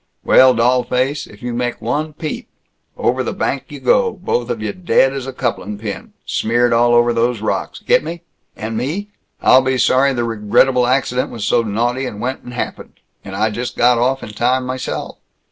Well, dollface, if you make one peep over the bank you go, both of you dead as a couplin' pin. Smeared all over those rocks. Get me? And me I'll be sorry the regrettable accident was so naughty and went and happened and I just got off in time meself.